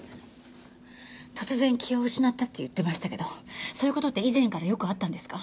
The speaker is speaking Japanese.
突然気を失ったって言ってましたけどそういう事って以前からよくあったんですか？